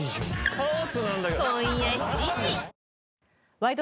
「ワイド！